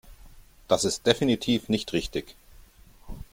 Das ist definitiv nicht richtig.